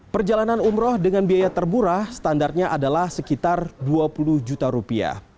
perjalanan umroh dengan biaya termurah standarnya adalah sekitar dua puluh juta rupiah